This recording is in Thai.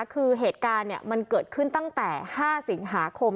คือเหตุการณ์มันเกิดขึ้นตั้งแต่๕สิงหาคม